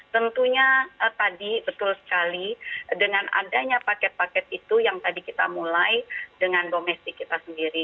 tentunya tadi betul sekali dengan adanya paket paket itu yang tadi kita mulai dengan domestik kita sendiri